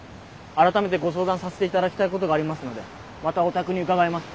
改めてご相談させていただきたいことがありますのでまたお宅に伺います。